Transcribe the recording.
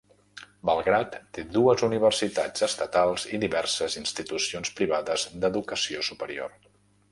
Belgrad té dues universitats estatals i diverses institucions privades d'educació superior.